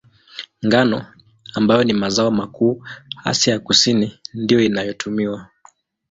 Ngano, ambayo ni mazao makuu Asia ya Kusini, ndiyo inayotumiwa.